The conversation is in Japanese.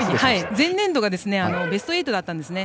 前年度がベスト８だったんですね。